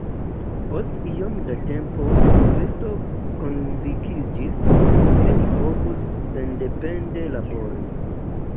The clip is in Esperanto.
Post iom da tempo Kristo konvinkiĝis, ke li povus sendepende labori.